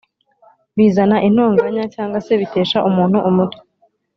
Bizana intonganya cyangwa se bitesha umuntu umutwe